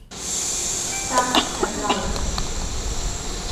Шьҭа ҭагалан.